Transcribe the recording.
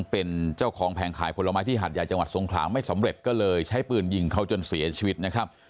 เป็นเจ้าของแผงขายผลไม้ที่หาดใหญ่จังหวัดทรงขลาไม่สำเร็จก็เลยใช้ปืนยิงเขาจนเสียชีวิตนะครับ